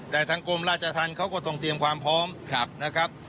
แต่ทางกรมราชธรรมเขาก็ต้องเตรียมความพร้อมนะครับ